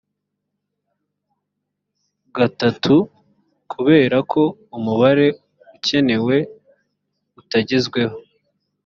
gatatu kubera ko umubare ukenewe utagezweho